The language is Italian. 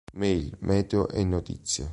Mail, Meteo e Notizie.